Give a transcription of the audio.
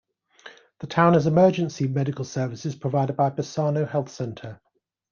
The town has emergency medical services provided by Bassano Health Centre.